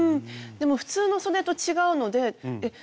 でも普通のそでと違うのでえっ